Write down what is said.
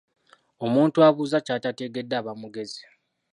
Omuntu abuuza ky'atategedde aba mugezi.